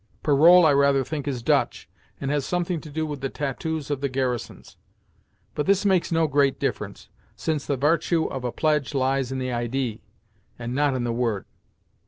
Parole I rather think is Dutch, and has something to do with the tattoos of the garrisons. But this makes no great difference, since the vartue of a pledge lies in the idee, and not in the word.